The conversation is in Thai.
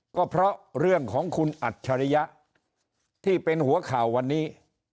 ก็เพราะเรื่องของคุณอัจฉริยะที่เป็นหัวข่าววันนี้